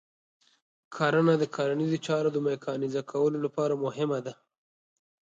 کرنه د کرنیزو چارو د میکانیزه کولو لپاره مهمه ده.